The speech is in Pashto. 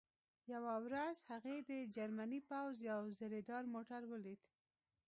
یوه ورځ هغې د جرمني پوځ یو زرهدار موټر ولید